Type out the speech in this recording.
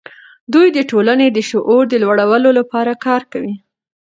دوی د ټولنې د شعور د لوړولو لپاره کار کوي.